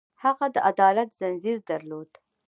هغه د عدالت ځنځیر درلود.